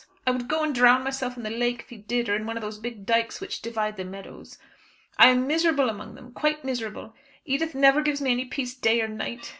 I would go and drown myself in the lake if he did, or in one of those big dykes which divide the meadows. I am miserable among them quite miserable. Edith never gives me any peace, day or night.